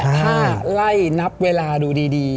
ถ้าไล่นับเวลาดูดี